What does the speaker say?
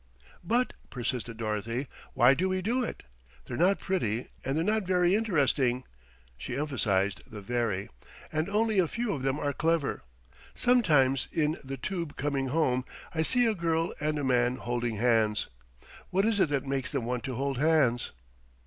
"But," persisted Dorothy, "why do we do it? They're not pretty and they're not very interesting," she emphasised the "very," "and only a few of them are clever. Sometimes in the Tube coming home I see a girl and a man holding hands. What is it that makes them want to hold hands?"